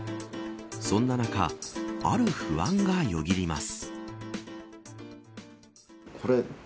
そんな中ある不安がよぎります。